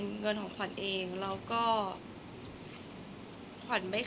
คนเราถ้าใช้ชีวิตมาจนถึงอายุขนาดนี้แล้วค่ะ